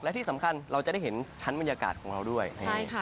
และที่สำคัญเราจะได้เห็นชั้นบรรยากาศของเราด้วย